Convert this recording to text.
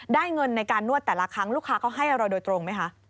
เงินในการนวดแต่ละครั้งลูกค้าเขาให้เราโดยตรงไหมคะ